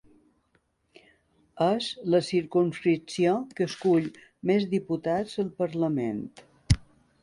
És la circumscripció que escull més diputats al Parlament.